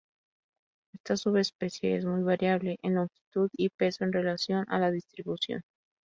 Esta subespecie es muy variable en longitud y peso en relación a la distribución.